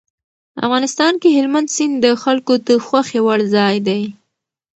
افغانستان کې هلمند سیند د خلکو د خوښې وړ ځای دی.